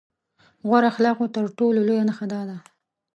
غوره اخلاقو تر ټولو لويه نښه دا ده.